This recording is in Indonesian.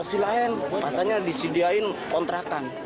opsi lain katanya disediain kontrakan